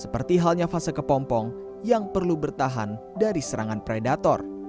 seperti halnya fase kepompong yang perlu bertahan dari serangan predator